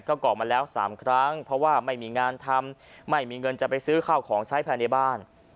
ก็ก่อมาแล้ว๓ครั้งเพราะว่าไม่มีงานทำไม่มีเงินจะไปซื้อข้าวของใช้ภายในบ้าน